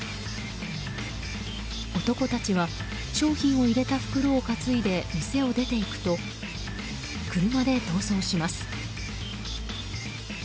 男たちは、商品を入れた袋を担いで店を出て行くと車で逃走します。